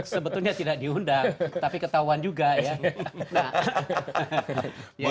sebetulnya tidak diundang tapi ketahuan juga ya